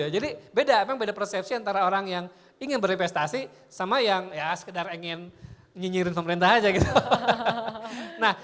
jadi beda memang beda persepsi antara orang yang ingin berinvestasi sama yang sekedar ingin nyinyirin pemerintah saja